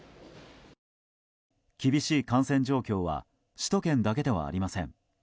厳しい感染状況は首都圏だけではありません。